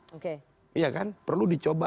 oke iya kan perlu dicoba